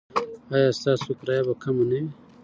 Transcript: ایا ستاسو کرایه به کمه نه وي؟